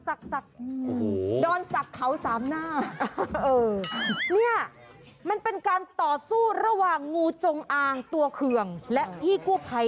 สามหน้าเออเนี้ยมันเป็นการต่อสู้ระหว่างงูจงอางตัวเคืองและพี่กู้ไพ